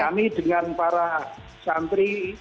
kami dengan para santri